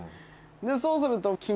そうすると。